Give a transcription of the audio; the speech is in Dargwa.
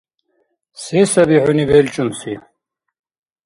Се саби хӀуни белчӀунси?